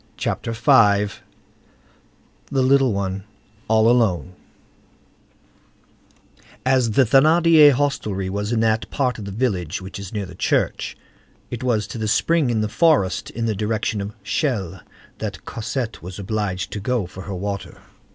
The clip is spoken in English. CHAPTER V—THE LITTLE ONE ALL ALONE As the Thénardier hostelry was in that part of the village which is near the church, it was to the spring in the forest in the direction of Chelles that Cosette was obliged to go for her water.